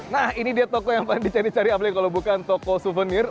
nah ini dia toko yang paling dicari cari apalagi kalau bukan toko souvenir